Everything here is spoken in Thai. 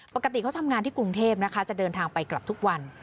ปกติเขาทำงานที่กรุงเทพนะคะจะเดินทางไปกลับทุกวัน